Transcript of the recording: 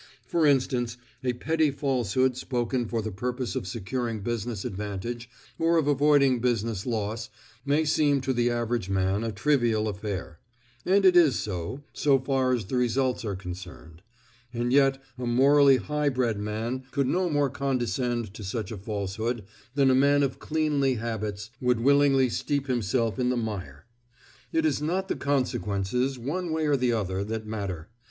For instance, a petty falsehood spoken for the purpose of securing business advantage or of avoiding business loss may seem to the average man a trivial affair; and it is so, so far as the results are concerned. And yet a morally high bred man could no more condescend to such a falsehood than a man of cleanly habits would willingly steep himself in the mire. It is not the consequences, one way or the other, that matter.